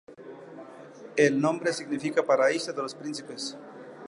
El nombre significa paraíso de los príncipes.